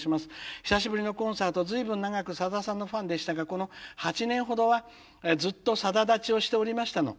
「久しぶりのコンサート随分長くさださんのファンでしたがこの８年ほどはずっとさだ断ちをしておりましたの。